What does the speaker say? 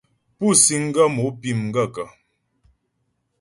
Pú síŋ ghə́ mo pí m gaə̂kə́ ?